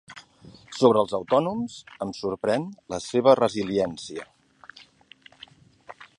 Sobre els autònoms, em sorprèn la seva resiliència.